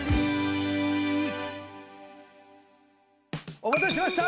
お待たせしました！